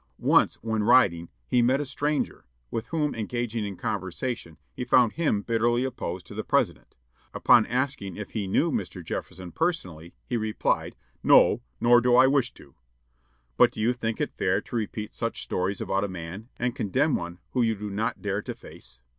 Once, when riding, he met a stranger, with whom engaging in conversation, he found him bitterly opposed to the President. Upon being asked if he knew Mr. Jefferson personally, he replied, "No, nor do I wish to." "But do you think it fair to repeat such stories about a man, and condemn one whom you do not dare to face?"